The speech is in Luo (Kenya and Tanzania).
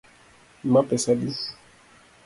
Ma pesa adi